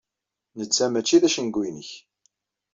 Netta mačči d acengu-inek.